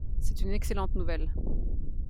C’est une excellente nouvelle.